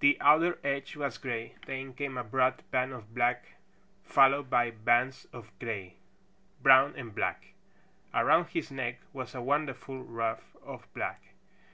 The outer edge was gray, then came a broad band of black, followed by bands of gray, brown and black. Around his neck was a wonderful ruff of black.